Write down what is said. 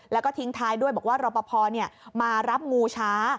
แล้วก็ทิ้งท้ายด้วยบอกว่ารอปภมารับงูช้า